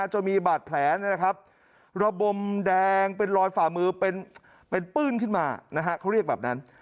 จนมีบาดแผลระบมแดงเป็นรอยฝ่ามือเป็นปื้นขึ้นมาเขาเรียกแบบนั้น